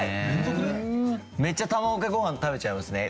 めっちゃ卵かけご飯食べちゃいますね。